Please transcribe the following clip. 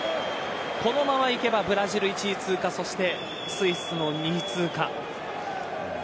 このままいけばブラジル１位通過そしてスイスは２位通過。